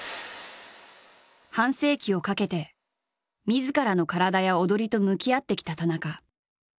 半世紀をかけてみずからの体や踊りと向き合ってきた田中。